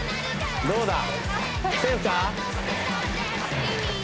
どうだ？